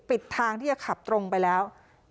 เป็นทางที่ขับตรงไปแล้ว